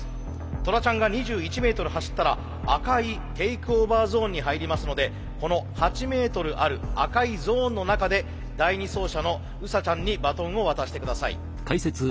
トラちゃんが２１メートル走ったら赤いテイクオーバーゾーンに入りますのでこの８メートルある赤いゾーンの中で第２走者のウサちゃんにバトンを渡して下さい。